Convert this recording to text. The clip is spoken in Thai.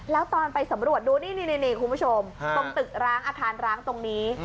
แล้วตอนไปสำรวจดูนี่คุณผู้ชมตรงตึกร้างอาคารร้างตรงนี้